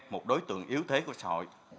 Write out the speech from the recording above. một đối tượng yếu thế của xã hội